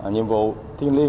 nhiệm vụ thiên liên